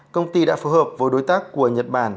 công ty đã phù hợp với đối tác của nhật bản